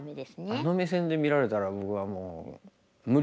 あの目線で見られたら僕はもう無理ですね。